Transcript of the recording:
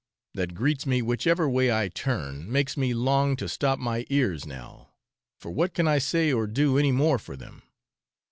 that greets me whichever way I turn, makes me long to stop my ears now; for what can I say or do any more for them?